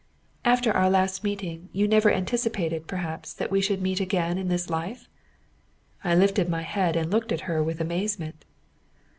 "After our last meeting you never anticipated, perhaps, that we should meet again in this life?" I lifted my head and looked at her with amazement.